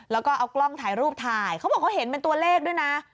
แล้วก็เอากล้องถ่ายรูปถ่ายเขาบอกเขาเห็นเป็นตัวเลขด้วยนะ